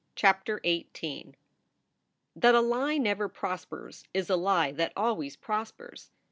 CHAPTER XVIII THAT a lie never prospers is a lie that always prospers.